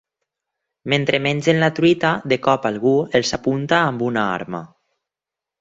Mentre mengen la truita, de cop algú els apunta amb una arma.